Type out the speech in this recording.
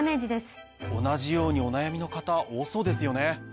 同じようにお悩みの方多そうですよね。